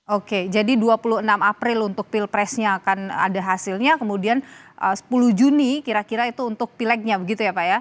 oke jadi dua puluh enam april untuk pilpresnya akan ada hasilnya kemudian sepuluh juni kira kira itu untuk pileknya begitu ya pak ya